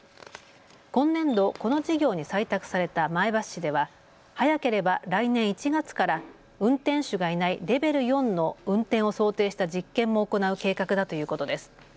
今年度、この事業に採択された前橋市では早ければ来年１月から運転手がいないレベル４の運転を想定した実験も行う計画だということです。